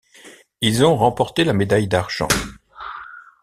Ils ont remporté la médaille d'argent.